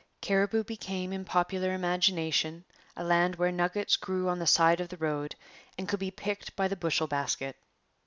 Cariboo became in popular imagination a land where nuggets grew on the side of the road and could be picked by the bushel basket.